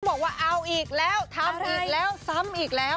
บอกว่าเอาอีกแล้วทำอีกแล้วซ้ำอีกแล้ว